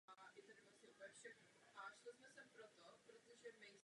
Trish se pak náhle probudí v nemocnici ve scéně připomínající první film.